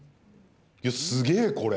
いやすげえこれ。